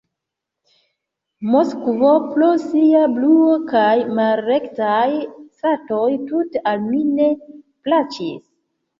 Moskvo pro sia bruo kaj malrektaj stratoj tute al mi ne plaĉis.